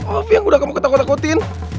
tapi yang udah kamu ketakut takutin